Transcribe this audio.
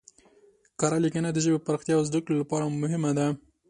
کره لیکنه د ژبې پراختیا او زده کړې لپاره مهمه ده.